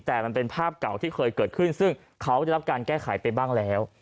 แต่มันเป็นภาพเก่าที่เคยเกิดขึ้นซึ่งเขาได้รับการแก้ไขไปบ้างแล้ว